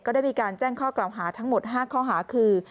ได้มีการแจ้งข้อกล่าวหาทั้งหมด๕ข้อหาคือ